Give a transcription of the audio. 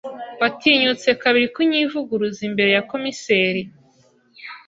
Watinyutse kabiri kunyivuguruza imbere ya komiseri.